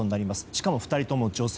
しかも２人とも女性。